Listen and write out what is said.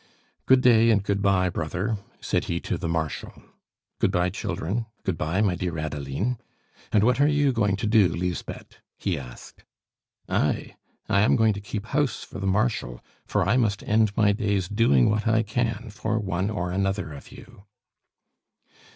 "Good day and good bye, brother," said he to the Marshal. "Good bye, children. Good bye, my dear Adeline. And what are you going to do, Lisbeth?" he asked. "I? I am going to keep house for the Marshal, for I must end my days doing what I can for one or another of you."